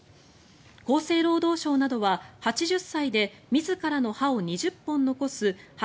厚生労働省などは８０歳で自らの歯を２０本残す８０２０